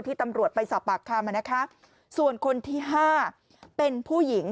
ตำรวจไปสอบปากคำนะคะส่วนคนที่ห้าเป็นผู้หญิง